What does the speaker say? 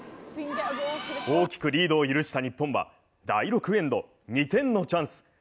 大きくリードを許した日本は、第６エンド、２点のチャンス。